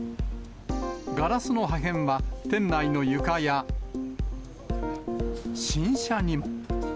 ガラスの破片は店内の床や、新車にも。